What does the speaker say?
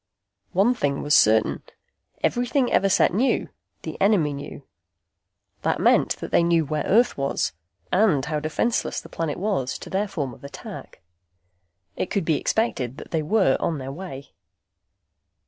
One thing was certain. Everything Everset knew, the enemy knew. That meant they knew where Earth was, and how defenseless the planet was to their form of attack. It could be expected that they were on their way.